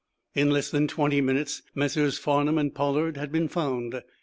In less than twenty minutes Messrs. Farnum and Pollard had been found.